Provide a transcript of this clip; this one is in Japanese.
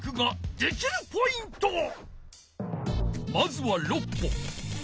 まずは６歩。